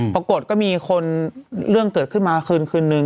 ปรากฏก็มีคนเรื่องเกิดขึ้นมาคืนคืนนึง